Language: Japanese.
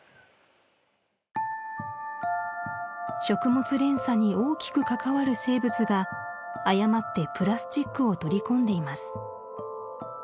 食物連鎖に大きく関わる生物が誤ってプラスチックを取り込んでいます